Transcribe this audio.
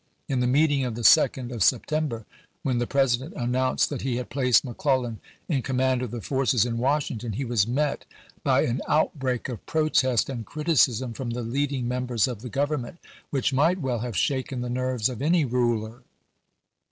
In the meeting of the 2d of Sep tember, when the President announced that he had placed McClellan in command of the forces in Washington, he was met by an outbreak of protest and criticism from the leading members of the Government which might well have shaken the nerves of any ruler.